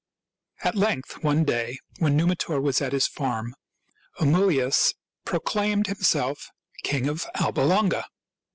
At length, one day when Numitor was at his farm, Amulius proclaimed himself king of Alba Longa.